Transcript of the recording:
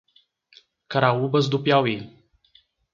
Caraúbas do Piauí